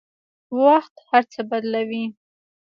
وخت هر څه بدلوي.